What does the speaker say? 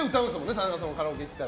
田中さんもカラオケ行ったら。